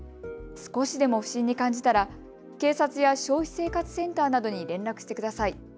少しでも不審に感じたら警察や消費生活センターなどに連絡してください。